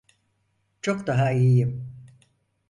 Çok daha iyiyim.